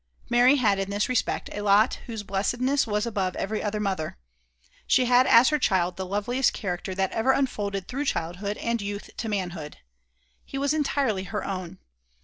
Mary had in this respect a lot whose blessedness was above every other mother. She had as her child the loveliest character that ever unfolded through childhood and youth to manhood. He was entirely her own.